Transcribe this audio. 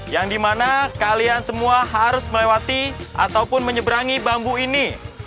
yang dimana kalian semua harus melewati ataupun menyeberangi bambu ini